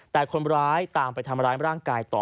แต่คนร้ายตามไปทำร้ายร่างกายต่อ